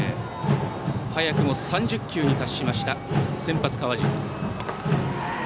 早くも３０球に達しました先発、川尻。